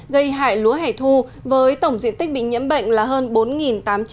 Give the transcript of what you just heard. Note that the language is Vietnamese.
gây hại lúa hẻ thu với tổng diện tích bị nhiễm bệnh là hơn bốn tám trăm linh ha